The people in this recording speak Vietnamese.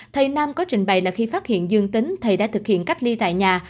thầy nam có trình bày là khi phát hiện dương tính thầy đã thực hiện cách ly tại nhà